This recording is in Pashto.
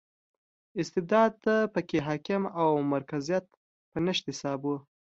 استبداد په کې حاکم او مرکزیت په نشت حساب و.